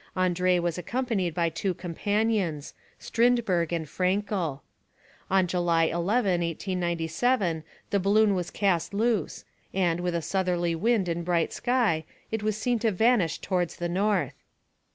Andrée was accompanied by two companions, Strindberg and Fraenkel. On July 11, 1897, the balloon was cast loose, and, with a southerly wind and bright sky, it was seen to vanish towards the north.